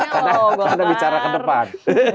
karena bicara ke depan